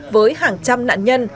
với hàng trăm nạn nhân